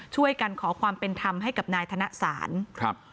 ช่วยกันขอความเป็นธรรมให้กับนายธนสารครับ